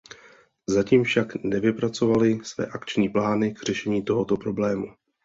Zatím však nevypracovaly své akční plány k řešení tohoto problému.